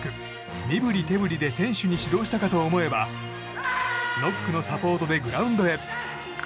身振り手振りで選手に指導したかと思えばノックのサポートでグラウンドへ。